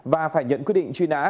và phải nhận quyết định truy nã